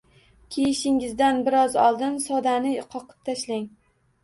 Kiyishingizdan biroz oldin sodani qoqib tashlang